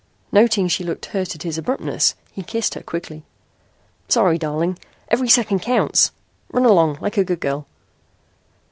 Noting she looked hurt at his abruptness, he kissed her quickly. "Sorry, darling. Every second counts. Run along, like a good girl."